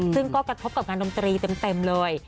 ซึ่งก็กระทบกับงานดนตรีเต็มเลย